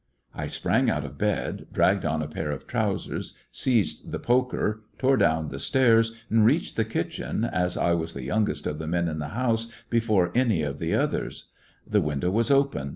I sprang out of bed, dragged on a pair of trousers, seized the poker, tore down the stairs, and reached the kitchen, as I was the youngest of the men in the house, before any of the others. The window was open.